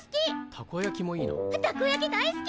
タコ焼き大好き！